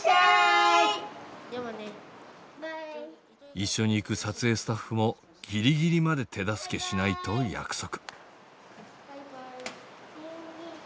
一緒に行く撮影スタッフもギリギリまで手助けしないと約束。